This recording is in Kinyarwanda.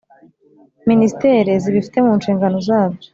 ministere zibifite munshigano zabyo